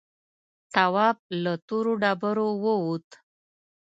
تواب له تورو ډبرو ووت.